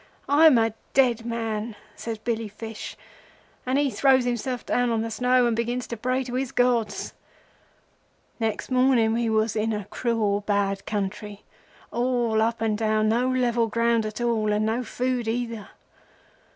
I'm a dead man,' says Billy Fish, and he throws himself down on the snow and begins to pray to his gods. "Next morning we was in a cruel bad country—all up and down, no level ground at all, and no food either.